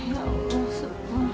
ya allah ibu